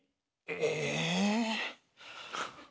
え。